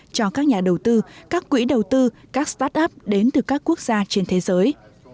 cho các nhà đầu tư các quỹ đầu tư các start up đến từ các quốc gia trên thế giới